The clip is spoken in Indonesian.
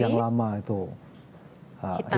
yang lama itu